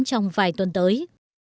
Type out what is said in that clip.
trong vài tuần tới